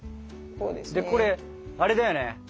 これあれだよね